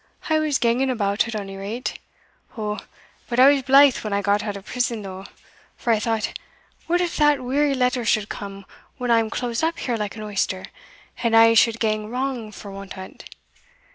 I was ganging about at ony rate Oh, but I was blythe when I got out of Prison, though; for I thought, what if that weary letter should come when I am closed up here like an oyster, and a' should gang wrang for want o't?